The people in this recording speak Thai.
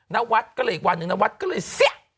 นวัดก็เลยอีกวันหนึ่งนวัดก็เลยเสี้ย